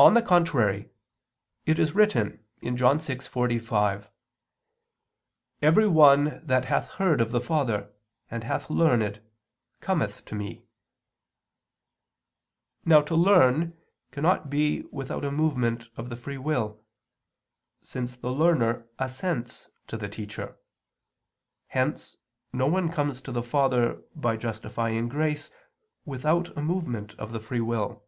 On the contrary, It is written (John 6:45): "Every one that hath heard of the Father, and hath learned, cometh to Me." Now to learn cannot be without a movement of the free will, since the learner assents to the teacher. Hence, no one comes to the Father by justifying grace without a movement of the free will.